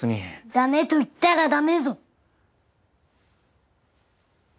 駄目と言ったら駄目ぞ。